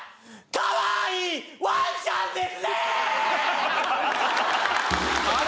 かわいいワンちゃんですねーっ！